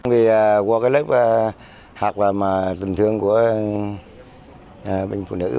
vì cuộc lớp học là tình thương của bệnh phụ nữ